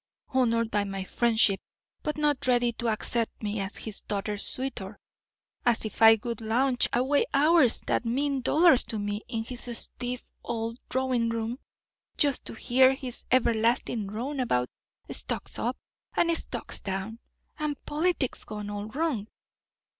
Honoured by my friendship, but not ready to accept me as his daughter's suitor! As if I would lounge away hours that mean dollars to me in his stiff old drawing room, just to hear his everlasting drone about stocks up and stocks down, and politics gone all wrong.